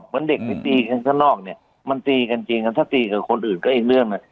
เหมือนเด็กไปตีกันข้างนอกเนี่ยมันตีกันจริงถ้าตีกับคนอื่นก็อีกเรื่องน่ะ